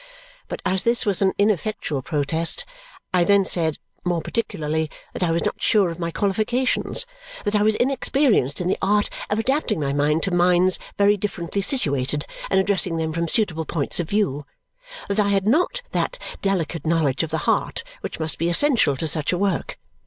But as this was an ineffectual protest, I then said, more particularly, that I was not sure of my qualifications. That I was inexperienced in the art of adapting my mind to minds very differently situated, and addressing them from suitable points of view. That I had not that delicate knowledge of the heart which must be essential to such a work.